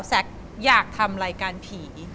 แซคอยากทำรายการผี